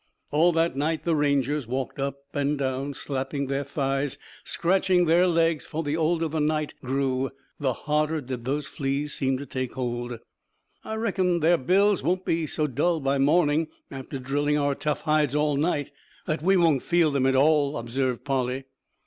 All that night the Rangers walked up and down, slapping their thighs, scratching their legs, for the older the night grew the harder did those fleas seem to take hold. "I reckon their bills will be so dull by morning, after drilling our tough hides all night, that we won't feel them at all," observed Polly.